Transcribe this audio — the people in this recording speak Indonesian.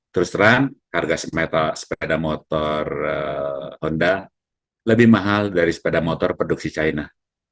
terus terang harga sepeda motor honda lebih mahal dari sepeda motor produksi china